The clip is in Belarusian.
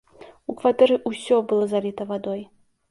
У кватэры ўсё было заліта вадой.